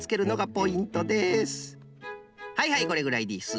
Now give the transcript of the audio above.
はいはいこれぐらいです。